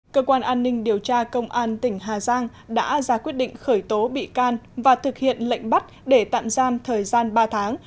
cơ quan an ninh điều tra công an tỉnh hà giang đã ra quyết định khởi tố bị can và thực hiện lệnh bắt để tạm giam thời gian ba tháng